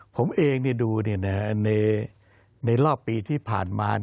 ผมเองดูในรอบปีที่ผ่านมา